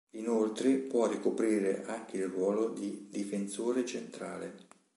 Inoltre può ricoprire anche il ruolo di difensore centrale.